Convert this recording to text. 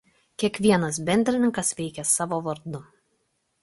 Kiekvienas bendrininkas veikia savo vardu.